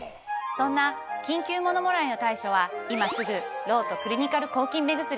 そんな緊急ものもらいの対処は今すぐロートクリニカル抗菌目薬。